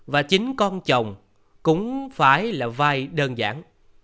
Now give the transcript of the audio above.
và chính con chồng cũng phải là vai đơn giản